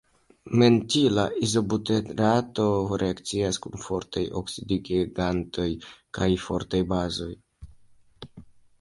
Mentila izobuterato reakcias kun fortaj oksidigagentoj kaj fortaj bazoj.